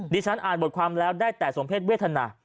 ฉันอ่านบทความแล้วได้แต่สมเพศเวทนา